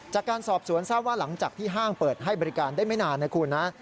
จากการสอบสวนทราบว่าหลังจากที่ห้างเปิดให้บริการได้ไม่นานนะคุณนะ